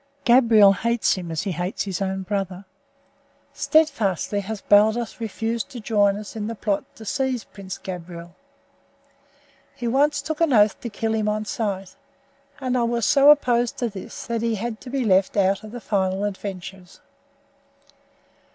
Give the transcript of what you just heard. Gabriel hates him as he hates his own brother. Steadfastly has Baldos refused to join us in the plot to seize Prince Gabriel. He once took an oath to kill him on sight, and I was so opposed to this that he had to be left out of the final adventures."